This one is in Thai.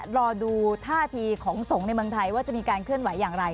รอดูท่าทีของสงฆ์ในเมืองไทยว่าจะมีการเคลื่อนไหวอย่างไร